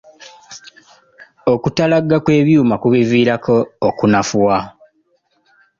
Okutalagga kw'ebyuma kubiviirako okunafuwa.